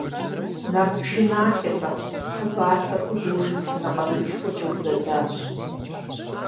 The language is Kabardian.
Нарт пшыналъэхэр, хъыбархэр художественнэ къаруушхуэкӏэ узэдащ.